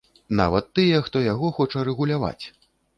Нават тыя, хто яго хоча рэгуляваць.